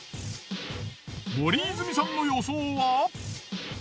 森泉さんの予想は？